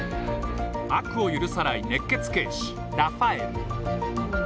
悪を許さない熱血警視ラファエル。